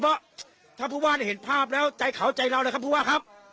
เพราะถ้าผู้ว่าเห็นภาพแล้วใจเขาใจเราเลยครับผู้ว่าครับ